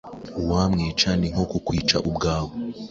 Uwamwica ni nko kukwica ubwawe!"